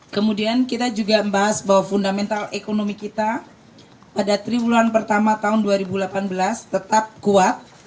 kemudian kita juga membahas bahwa fundamental ekonomi kita pada triwulan pertama tahun dua ribu delapan belas tetap kuat